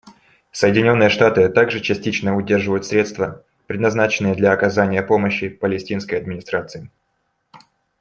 Соединенные Штаты также частично удерживают средства, предназначенные для оказания помощи Палестинской администрации.